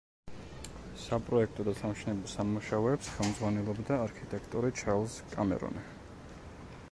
საპროექტო და სამშენებლო სამუშაოებს ხელმძღვანელობდა არქიტექტორი ჩარლზ კამერონი.